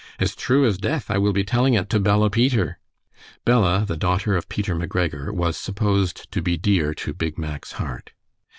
"As true as death I will be telling it to Bella Peter. Bella, the daughter of Peter McGregor, was supposed to be dear to Big Mack's heart.